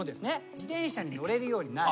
自転車に乗れるようになる。